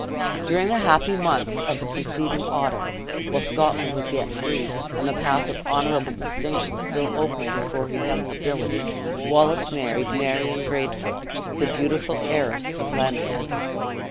During the happy mouths of the preceding autumn, while Scotland was yet free, and the path of honorable distinction still open before her young nobility, Wallace married Marion Braidfoot, the beautiful heiress of Lammington.